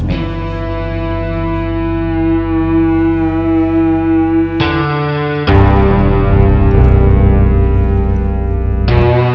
kadang ketika pada tempoh akhir